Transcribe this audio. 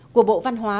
của bộ văn hóa